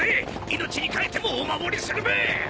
命に代えてもお守りするべ！